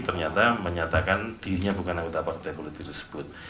ternyata menyatakan dirinya bukan anggota partai politik tersebut